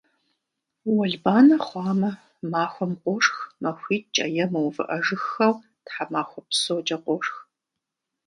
Уэлбанэ хъуамэ, махуэм къошх, махуитӀкӀэ е мыувыӀэжыххэу тхьэмахуэ псокӀэ къошх.